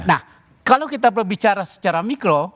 nah kalau kita berbicara secara mikro